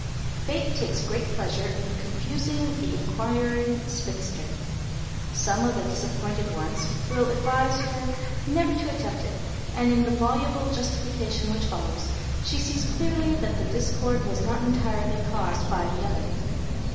Fate takes great pleasure in confusing the inquiring spinster. Some of the disappointed ones will advise her never to attempt it, and in the voluble justification which follows, she sees clearly that the discord was not entirely caused by the other.